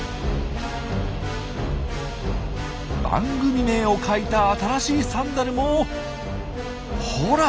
番組名を書いた新しいサンダルもほら！